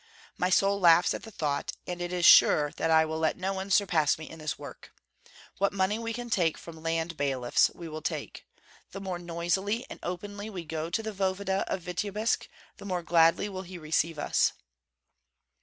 My soul laughs at the thought, and it is sure that I will let no one surpass me in this work. What money we can take from land bailiffs we will take. The more noisily and openly we go to the voevoda of Vityebsk, the more gladly will he receive us."